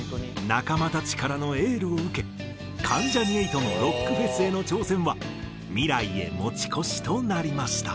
仲間たちからのエールを受け関ジャニ∞のロックフェスへの挑戦は未来へ持ち越しとなりました。